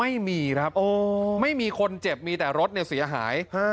ไม่มีครับไม่มีคนเจ็บแต่รถซีอาหาร